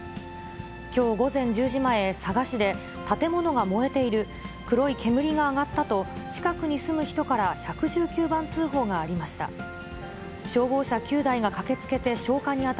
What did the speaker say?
きょう午前１０時前、佐賀市で建物が燃えている、黒い煙が上がったと、近くに住む人から１１９番通報がありました。